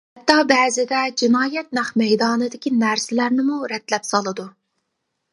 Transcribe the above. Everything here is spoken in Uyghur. ھەتتا بەزىدە جىنايەت نەق مەيدانىدىكى نەرسىلەرنىمۇ رەتلەپ سالىدۇ.